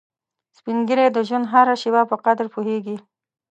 سپین ږیری د ژوند هره شېبه په قدر پوهیږي